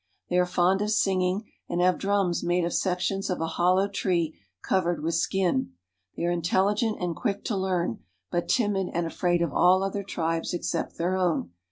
They are fond of singing, and have drums made of sections of a hollow tree, covered with skin. They are intelligent and quick to learn, but timid and afraid of all other tribes except their own.